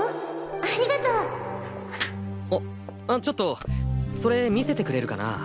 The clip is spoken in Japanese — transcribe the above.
ありがとうあちょっとそれ見せてくれるかな？